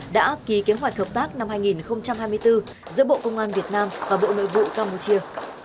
đã ký kế hoạch hợp tác năm hai nghìn hai mươi bốn giữa bộ công an việt nam và bộ nội vụ campuchia